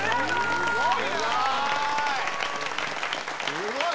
すごい！